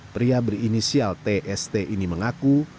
pria berinisial tst ini mengaku